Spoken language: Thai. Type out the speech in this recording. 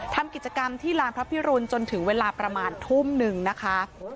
ทำกิจกรรมที่ลานพระพิรุณจนถึงเวลาประมาณทุ่มหนึ่งนะคะ